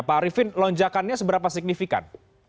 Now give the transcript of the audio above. pak arifin lonjakannya seberapa signifikan